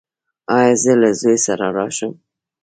ایا زه له زوی سره راشم؟